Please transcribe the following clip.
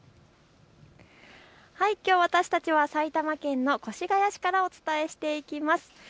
きょう私たちは埼玉県の越谷市からお伝えしていきます。